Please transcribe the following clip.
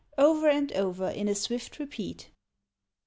_" Over and over in a swift repeat.